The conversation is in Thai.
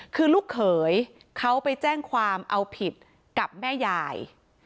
คือลูกเขยเขาไปแจ้งความเอาผิดกับแม่ยาย